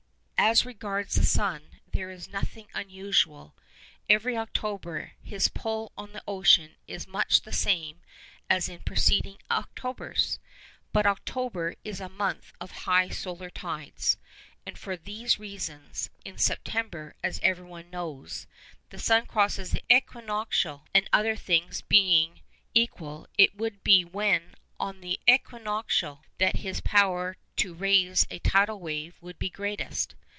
As regards the sun, there is nothing unusual. Every October his pull on the ocean is much the same as in preceding Octobers. But October is a month of high solar tides—and for these reasons:—In September, as everyone knows, the sun crosses the equinoctial; and, other things being equal, it would be when on the equinoctial that his power to raise a tidal wave would be greatest.